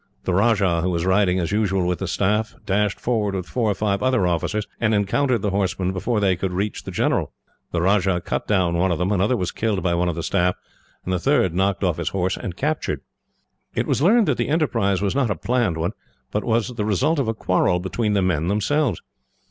The Rajah, who was riding as usual with the staff, dashed forward with four or five other officers, and encountered the horsemen before they could reach him. The Rajah cut down one of them, another was killed by one of the staff, and the third knocked off his horse and captured. It was learned that the enterprise was not a planned one, but was the result of a quarrel between the men, themselves.